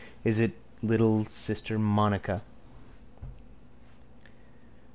Is it little sister Monica!